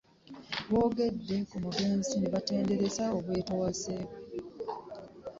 Boogedde ku mugenzi ne batendereza obwetowaze bwe